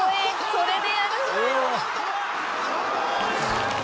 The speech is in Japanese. それでやるんだよ！」